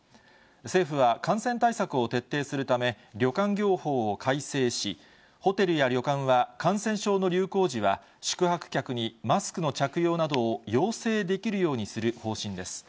政府は感染対策を徹底するため、旅館業法を改正し、ホテルや旅館は感染症の流行時は宿泊客にマスクの着用などを要請できるようにする方針です。